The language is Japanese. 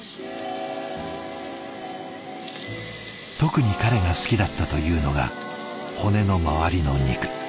特に彼が好きだったというのが骨の周りの肉。